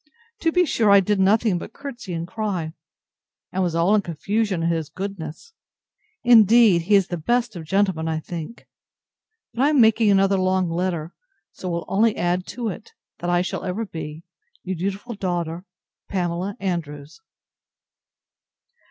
To be sure I did nothing but courtesy and cry, and was all in confusion, at his goodness. Indeed he is the best of gentlemen, I think! But I am making another long letter: So will only add to it, that I shall ever be Your dutiful daughter, PAMELA ANDREWS.